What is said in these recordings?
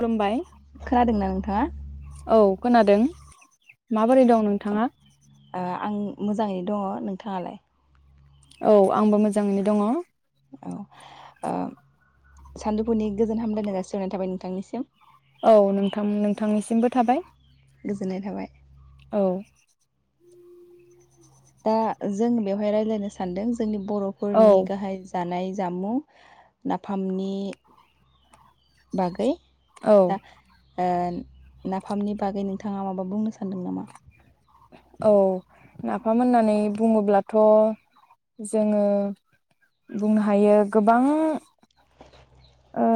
खुलुमबाय खोनादोंना नोंथाङा? औ खोनादों माबोरै दं नोंथाङा? ओ आं मोजाङैनो दङ' नोंथाङालाय? औ आंबो मोजाङैनो दङ। सान्दुफुनि गोजोन हामलायनाय जासिहरनाय थाबाय नोंथांनिसिम। औ नोंथां नोंथांनिसिमबो थाबाय। गोजोननाय थाबाय औ दा जों बेवहाय रायलायनो सानदों जोंनि औ ब'फोरनि गाहाय जानाय जामुं नाफामनि बागै औ दा ओ नाफामनि बागै नोंथाङा माबा बुंनो सानदों नामा? औ नाफाम होननानै बुङोब्लाथ जोङो बुंनो हायो गोबां ओ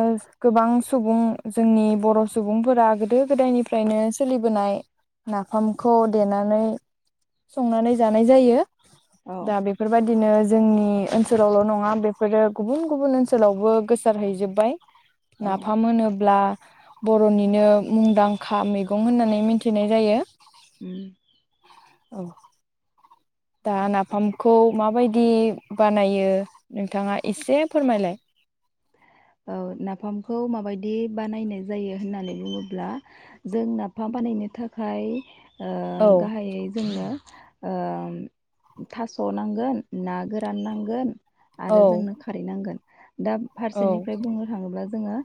गोबां सुबुं जोंनि बर सुबुंफोरा गोदो गोदायनिफ्रायनो सोलिबोनाय नाफामखौ देनानै संनानै जानाय जायो। औ दा बेफोरबादिनो जोंनि ओनसोलावल नङा बेफोरो गुबुन गुबुन ओनसोलावबो गो गोसारहैजोब्बाय औ नाफाम होनोब्ला बर'निनो मुंदांखा मैगं होननानै मिन्थिनाय जायो उम औ दा नाफामखौ माबायदि बानायो नोंथाङा एसे फोरमायलाय औ नाफामखौ माबायदि बानायनाय जायो होननानै बुङोब्ला जों नाफाम बानायनो थाखाय ओ औ गाहायै जोंनो ओम थास' नांगोन ना गोरान नांगोन औ आरो जोंनो खारै नांगोन। दा फारसेनि औ [unintelligible] बा जोङो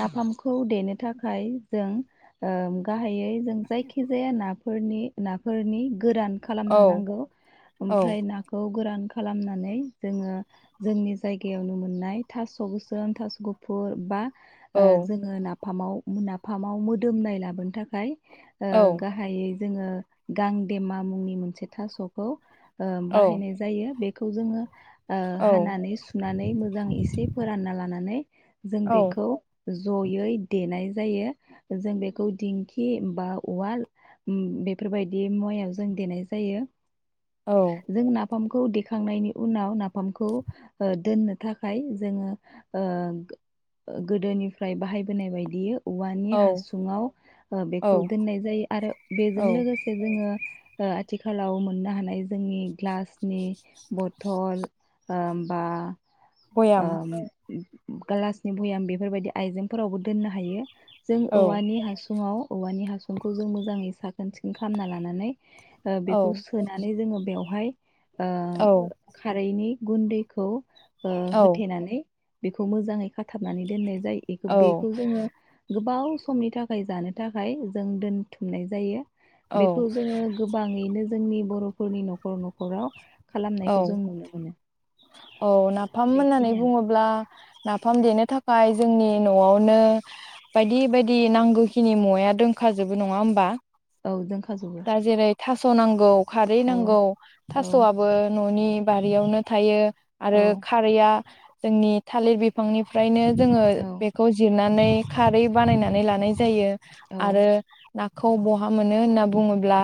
नाफामखौ देनो थाखाय जों ओं गाहायै जों जायखिजाया नाफोरनि-नाफोरनि गोरान खालामनो औ नांगौ औ ओमफ्राय नाखौ गोरान खालामनानै जोङो जोंनि जायगायावनो मोननाय थास' गोसोम थास' गुफुर बा औ ओ जोङो ना नाफामाव नाफामाव मोदोमनाय लाबोनो थाखाय ओ गाहायै जोङो गांदेमा मुंनि मोनसे थास'खौ ओ औ बाहायनाय जायो बे खौ जोङो ओ औ हानानै सुनानै मोजां एसे फोरानना लानानै जों बेखौ जयै देनाय जायो जों बेखौ दिंखि बा उवाल उम बेफोरबायदि मुवायाव जों देनाय जायो जोंना नाफामखौ देखांनायनि उनाव नाफामखौ ओ दोननो थाखाय जोङो ओ गोदोनिफ्राय बाहायबोनाय बायदि औवानि औ हासुङाव ओ औ बेखौ दोननाय जायो आरो बेजों औ लोगोसे जोङो आ आथिखालाव मोननो हानाय जोंनि ग्लास नि बथल ओमबा अ भयाम [unintelligible] ग्लासनि बयाम बेफोरबायदि आइजेंफोरावबो दोननो हायो। जों औ औवानि हासुङाव औवानि हा-' सुंखौ जों मोजाङै साखोन सिखोन खालामना लानानै ओ औ बेखौ सोनानै जोङो बेयाव हाय औ ओ खारैनि गुन्दैखौ। ओ औ होथेनानै। बेखौ मोजाङै खाथाबनानै दोननाय जाय औ बेखौ जोङो। गोबाव समनि थाखाय जानो थाखाय जों दोनथुमनाय जायो। बेखौ औ जोङो गोबाङैनो जोंनि बर'फोरनि न'खर न'खराव। औ खालामनायखौ जों नुनो मोनो। औ नाफाम होननानै बेखिनियानो बुङोब्ला नाफाम देनो थाखाय जोंनि न'आवनो बायदि बायदि नांगौखिनि मुवाया दोंखाजोबो नङा होमबा? औ जोंखाजोबो। सनांगौ खारै नांगौ औ थास'आबो न'नि बारियावनो थायो। औ आरो खारैया जोंनि थालिर बिफांनिफ्रायनो जोङो औ बेखौ जिरना नै खारै बानायनानै लानाय जायो। औ आरो ना खौ बहा मोनो होनना बुङोब्ला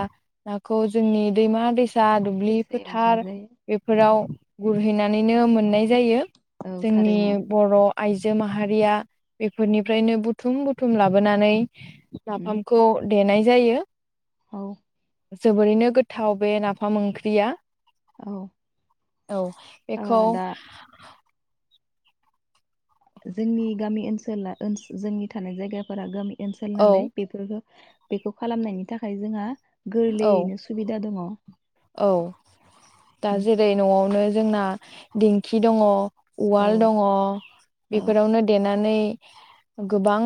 नाखौ जोंनि दैमा- दैसा-' जा दुब्लि दैसायाव फोथार मोननाय बेफोराव गुरहैनानैनो मोननाय जायो। जायो औ जोंनि थारैनो बर' आइजो माहारिया बेफोरनिफ्रायनो बुथुम बुथुम लाबोनानै उम नाफामखौ देनाय जायो। औ। जोबोरैनो गोथाव बे नाफाम ओंख्रिया। औ औ ओ बेखौ दा जोंनि गामि ओनसोला ओसोल जोंनि थानाय जायगाफोरा गामि ओनसोल औ नालाय बेफोरखौ बेखौ खालामनायनि थाखाय जोंहा औ गोरलैयैनो सुबिदा दङ। औ दा जेरै नआवनो जोंना दिंखि दङ औ उवाल दङ औ बेफोरावनो देनानै गोबां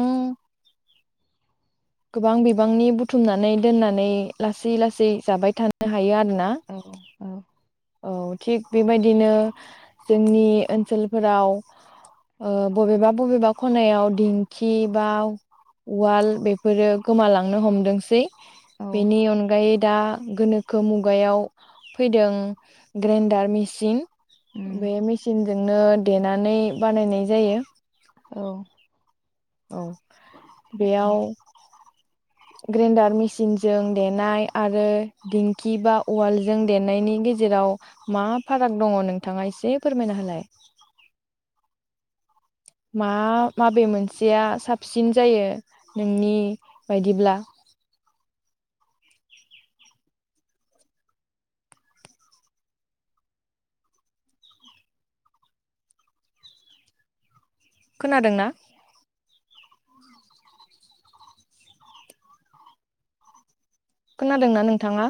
गोबां बिबांनि बुथुमनानै दोननानै लासै लासै जाबाय थानो हायो आरो। औ औ औ थिग बेबायदिनो जोंनि ओनसोलफोराव बबेबा बबेबा खनायाव दिंखि बा उवाल बेखौ बेफोरो गोमालांनो हमदोंसै औ बेनि अनगायै दा गोनोखो मुगायाव फैदों ग्रेन्डार मेसिन उम बे मेसिन जोंनो देनानै बानायनाय जायो। औ औ थारैनो बेयाव ग्रेन्डार मेसिनजों देनाय आरो दिंखि बा उवालजों देनायनि गेजेराव मा फाराग दङ नोंथाङा एसे फोरमायना होलाय। मा माबे मोनसेया साबसिन जायो नोंनि बायदिब्ला? खोनादोंना? खोनादोंना नोंथाङा?